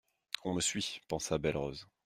On me suit, pensa Belle-Rose.